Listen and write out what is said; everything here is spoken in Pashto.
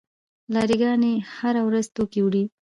لاری ګانې هره ورځ توکي وړي.